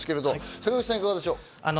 坂口さん、いかがでしょう？